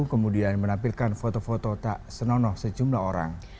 kemudian menampilkan foto foto tak senonoh sejumlah orang